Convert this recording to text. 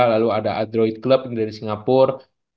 lalu ada adroid club yang dari singapur